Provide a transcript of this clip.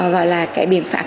gọi là cái biện pháp